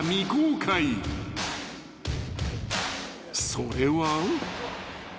［それは］